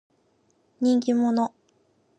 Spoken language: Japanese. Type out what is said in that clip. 人気者。